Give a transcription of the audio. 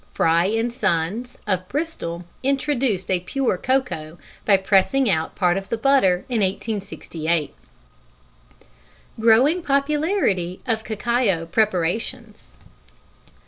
Fry and Sons, of Bristol, introduced a pure cocoa by pressing out part of the butter in 1868. _Growing Popularity of Cacao Preparations.